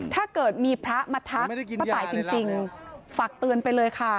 ถ้าเกิดมีพระมาทักป้าตายจริงฝากเตือนไปเลยค่ะ